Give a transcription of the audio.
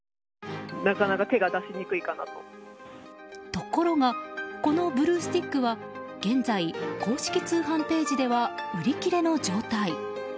ところがこのブルースティックは現在、公式通販ページでは売り切れの状態。